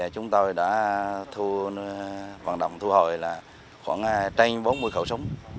chúng tôi đã thu vận động thu hồi khoảng trên bốn mươi khẩu súng